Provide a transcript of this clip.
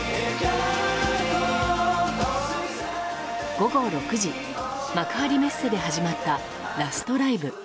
午後６時幕張メッセで始まったラストライブ。